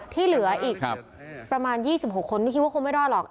ที่เหลืออีกครับประมาณยี่สิบหกคนไม่คิดว่าคงไม่รอหรอก